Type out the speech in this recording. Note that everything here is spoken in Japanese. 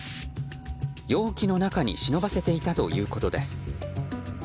容器の中に忍ばせていたということです。